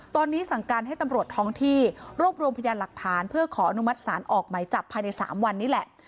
ตอนนี้สั่งการให้ตำรวจท้องที่รวบรวมพยานหลักฐานเพื่อขออนุมัติศาลออกไหมจับภายใน๓วันนี้แหละ